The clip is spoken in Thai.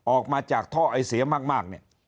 ออกมาจากท่อไอเสียมาก